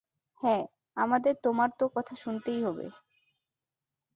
হ্যাঁ, আমাদের তোমার তো কথা শুনতেই হবে।